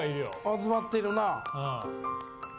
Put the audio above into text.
集まってるなぁ。